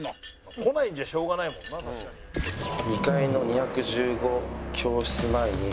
「来ないんじゃしょうがないもんな確かに」でかっ！